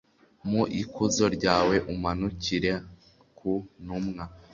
mu ikuzo ryawe umanukira ku ntumwa